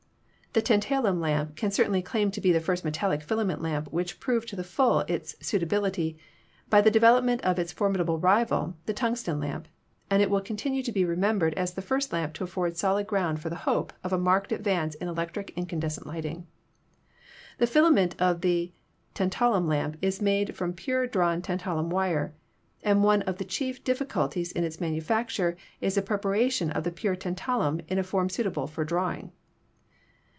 The tantalum lamp can certainly claim to be the first metallic filament lamp which proved to the full its suitability by the development of its formidable rival, the tungsten lamp, and it will continue to be remembered as the first lamp to afford solid ground for the hope of a marked advance in electric incandescent lighting. The filament of the tantalum lamp is made from pure drawn tantalum wire, and one of the chief difficulties in its manu facture is the preparation of the pure tantalum in a form suitable for drawing.